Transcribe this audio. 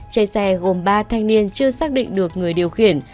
trên xe gồm ba thanh niên chưa xác định được người điều khiển